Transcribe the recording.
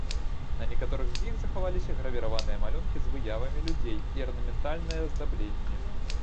На некаторых з іх захаваліся гравіраваныя малюнкі з выявамі людзей і арнаментальнае аздабленне.